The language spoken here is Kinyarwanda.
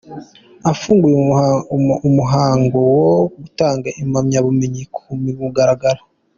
Afunguye umuhango wo gutanga impamyabumenyi ku mugaragaro.